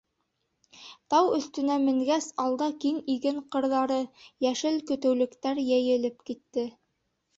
Тау өҫтөнә менгәс, алда киң иген ҡырҙары, йәшел көтөүлектәр йәйелеп китте.